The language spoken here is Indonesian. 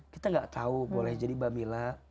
kita tidak tahu boleh jadi bhamila